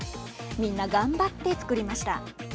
みんな頑張って作りました。